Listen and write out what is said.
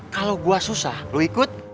kalau gue susah lo ikut